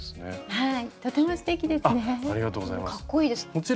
はい。